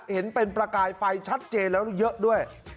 เห็นเป็นประกายไฟชัดเจนแล้วเยอะด้วย